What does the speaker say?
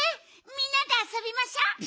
みんなであそびましょ！